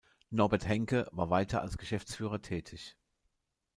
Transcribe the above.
Norbert Henke war weiter als Geschäftsführer tätig.